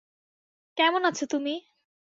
কেমন আছো, তুমি?